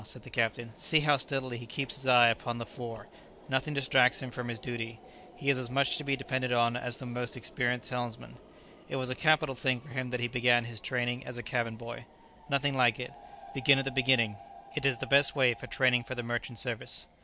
said the captain; "see how steadily he keeps his eye upon the fore; nothing distracts him from his duty; he is as much to be depended on as the most experienced helmsman. It was a capital thing for him that he began his training as a cabin boy. Nothing like it. Begin at the beginning. It is the best of training for the merchant service."